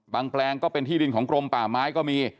แปลงก็เป็นที่ดินของกรมป่าไม้ก็มี